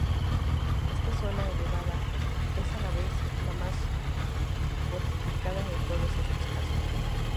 Esta zona elevada es, a la vez, la más fortificada en todos estos casos.